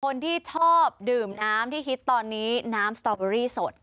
คนที่ชอบดื่มน้ำที่ฮิตตอนนี้น้ำสตอเบอรี่สด